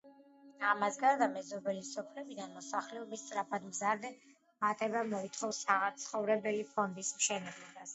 ამას გარდა, მეზობელი სოფლებიდან მოსახლეობის სწრაფად მზარდი მატება მოითხოვს საცხოვრებელი ფონდის მშენებლობას.